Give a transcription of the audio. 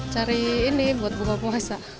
cari ini buat buka puasa